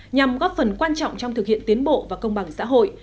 nhằm góp phần quan trọng trong thực hiện tiến bộ và công bằng xã hội